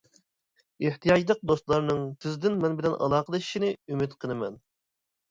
ئېھتىياجلىق دوستلارنىڭ تىزدىن مەن بىلەن ئالاقىلىشىشىنى ئۈمىد قىلىمەن.